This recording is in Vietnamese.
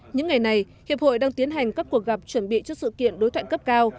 những ngày này hiệp hội đang tiến hành các cuộc gặp chuẩn bị cho sự kiện đối thoại cấp cao